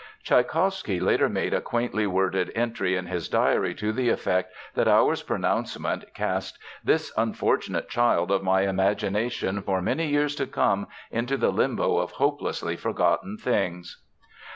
Tschaikowsky later made a quaintly worded entry in his diary to the effect that Auer's pronouncement cast "this unfortunate child of my imagination for many years to come into the limbo of hopelessly forgotten things."